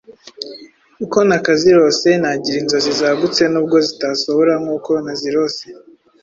uko nakazirose nagira inzozi zagutse nubwo zitasohora nk’uko nazirose.